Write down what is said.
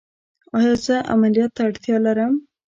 ایا زه عملیات ته اړتیا لرم؟